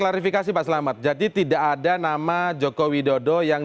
fadian nasir kemudian amis faswedan